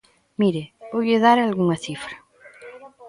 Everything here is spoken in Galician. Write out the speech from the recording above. Mire, voulle dar algunha cifra.